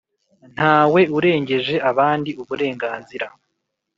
Ntawe urengeje abandi uburenganzira